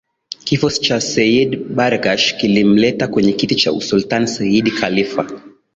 Kifo cha Seyyid Barghash kilimleta kwenye kiti cha usultan Seyyid Khalifa